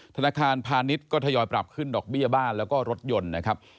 ธนาคารพาณิชย์ก็ทยอยปรับขึ้นดอกเบี้ยบ้านแล้วก็รถยนต์นะครับ